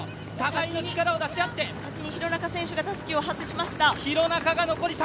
最後の力を出し切って先に廣中選手がたすきを外しました。